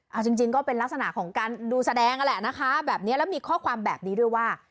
เอาจริงก็เป็นลักษณะของการดูแสดงนั่นแหละนะคะแบบนี้แล้วมีข้อความแบบนี้ด้วยว่า